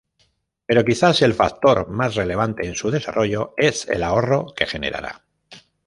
Pero quizás el factor más relevante en su desarrollo es el ahorro que generará.